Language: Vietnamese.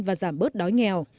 và giảm bớt đói nghèo